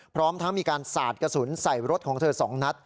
พร้อมทั้งมีการสาดกระสุนใส่รถของเธอ๒นัด